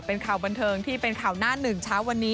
เป็นข่าวบันเทิงที่เป็นข่าวหน้าหนึ่งเช้าวันนี้